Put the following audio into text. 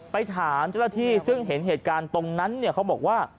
ไปถามเจ้าหน้าที่ซึ่งเห็นเหตุการณ์ตรงนั้นเขาบอกว่า